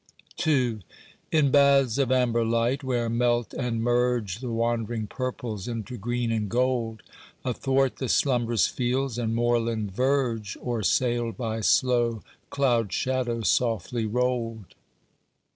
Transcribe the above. II In baths of amber light where melt and merge The wandering purples into green and gold, Athwart the slumbrous fields, and moorland verge O'ersailed by slow cloud shadows softly rolled.